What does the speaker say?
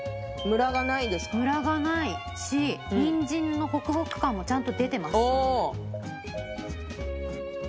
ムラがないしニンジンのホクホク感もちゃんと出てます。